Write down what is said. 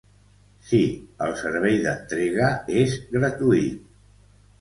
Si, el servei d'entrega és gratuït.